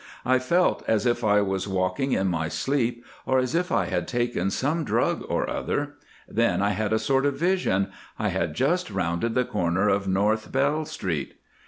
I felt as if I was walking in my sleep, or as if I had taken some drug or other. Then I had a sort of vision—I had just rounded the corner of North Bell Street."